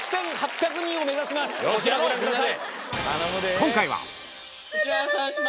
こちらご覧ください。